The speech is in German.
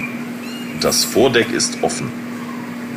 Das Vordeck ist offen.